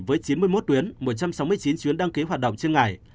với chín mươi một tuyến một trăm sáu mươi chín chuyến đăng ký hoạt động trên ngày